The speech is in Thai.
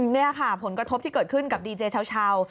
นี่ค่ะผลกระทบที่เกิดขึ้นกับดีเจเช้า